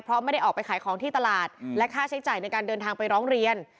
เพราะไม่ได้ออกไปขายของที่ตลาดและค่าใช้จ่ายในการเดินทางไปร้องเรียน